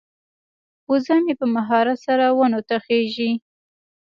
وزه مې په مهارت سره ونو ته خیژي.